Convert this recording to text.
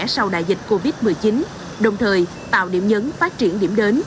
sau đại dịch covid một mươi chín đồng thời tạo điểm nhấn phát triển điểm đến